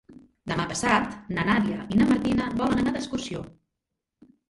Demà passat na Nàdia i na Martina volen anar d'excursió.